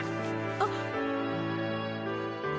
あっ！